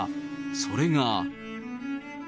それが。